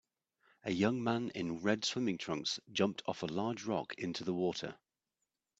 A young man in red swimming trunks jumped off a large rock into the water.